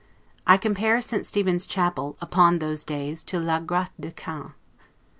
I compare St. Stephen's Chapel, upon those days, to 'la Grotta del Cane'.